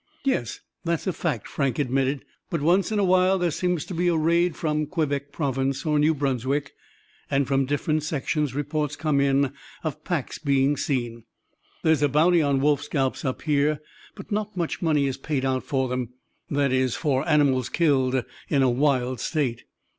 "Yes, that's a fact," Frank admitted; "but once in a while there seems to be a raid from Quebec Province, or New Brunswick, and from different sections reports come in of packs being seen. There's a bounty on wolf scalps up here; but not much money is paid out for them—that is, for animals killed in a wild state."